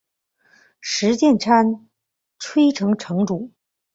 石见山吹城城主。